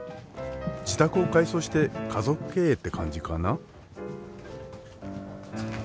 自宅を改装して家族経営って感じかな。